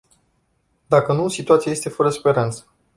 Dacă nu, situația este fără speranță.